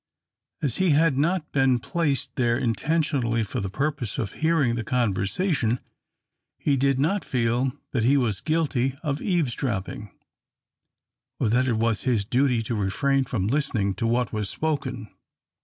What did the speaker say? As he had not been placed there intentionally for the purpose of hearing the conversation, he did not feel that he was guilty of eavesdropping, or that it was his duty to refrain from listening to what was spoken.